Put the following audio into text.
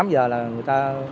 một mươi tám h là người ta